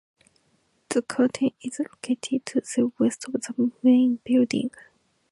The garden is located to the west of the main building.